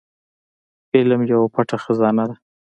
علم يوه پټه خزانه ده.